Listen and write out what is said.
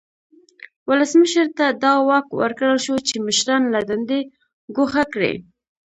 ولسمشر ته دا واک ورکړل شو چې مشران له دندې ګوښه کړي.